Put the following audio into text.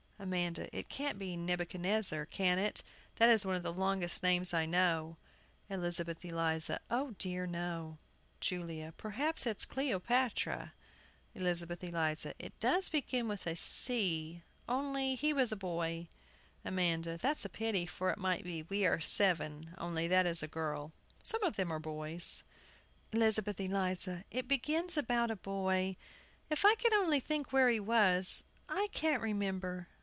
AMANDA. It can't be Nebuchadnezzar, can it? that is one of the longest names I know. ELIZABETH ELIZA. O dear, no! JULIA. Perhaps it's Cleopatra. ELIZABETH ELIZA. It does begin with a "C" only he was a boy. AMANDA. That's a pity, for it might be "We are seven," only that is a girl. Some of them were boys. ELIZABETH ELIZA. It begins about a boy if I could only think where he was. I can't remember.